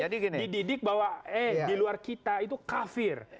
dididik bahwa eh di luar kita itu kafir